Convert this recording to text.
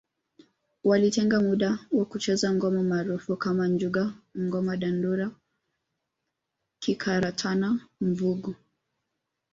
Walitenga muda wa kucheza ngoma maarufu kama njuga ngoma dandaro kikaratana mvungu